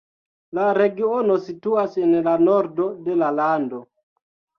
La regiono situas en la nordo de la lando.